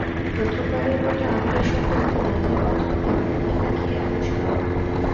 প্রথমবারের মতো আমিরের সঙ্গে অভিনয়, তাই বক্স অফিসের দিকে তাকিয়ে আনুশকাও।